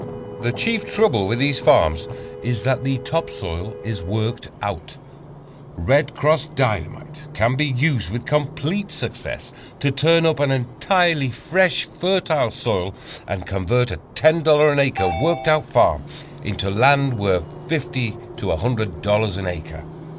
The chief trouble with these farms is that the top soil is worked out. "Red Cross" Dynamite can be used with complete success to turn up an entirely fresh, fertile soil, and convert a $10 an acre "worked out farm" into land worth $50 to $100 an acre.